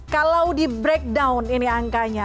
kalau di breakdown ini angkanya